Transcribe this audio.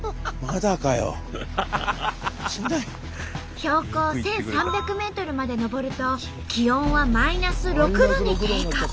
標高１，３００ｍまで登ると気温はマイナス６度に低下。